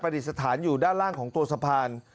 ดิษฐานอยู่ด้านล่างของตัวสะพาน